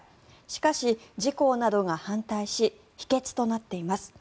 しかし、自公などが反対し否決となっています。